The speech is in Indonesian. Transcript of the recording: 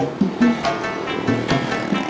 terus aku mau pergi ke rumah